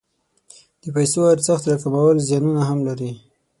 د پیسو ارزښت راکمول زیانونه هم لري.